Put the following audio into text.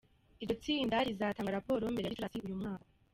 Iryo tsinda rizatanga raporo mbere ya Gicurasi uyu mwaka.